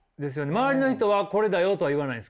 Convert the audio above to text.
周りの人はこれだよとは言わないんですか？